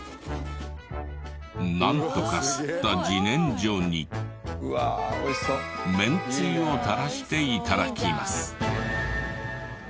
なんとかすった自然薯にめんつゆを垂らして頂きます。